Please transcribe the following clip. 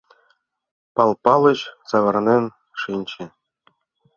Пал Палыч савырнен шинче.